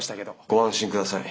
ご安心ください。